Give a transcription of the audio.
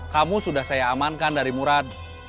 kamu sudah saya amankan dari murad